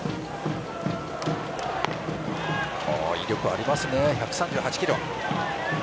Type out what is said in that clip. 威力あります１３８キロ。